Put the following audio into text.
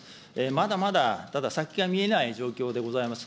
まだまだ先が見えない状況でございます。